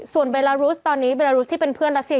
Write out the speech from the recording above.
ส่วนเบลารุสตอนนี้เบลารุสที่เป็นเพื่อนรัสเซีย